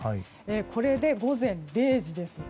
これで午前０時です。